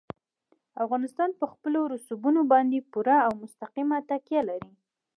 افغانستان په خپلو رسوبونو باندې پوره او مستقیمه تکیه لري.